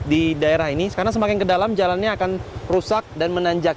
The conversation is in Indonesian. di daerah ini karena semakin ke dalam jalannya akan rusak dan menanjak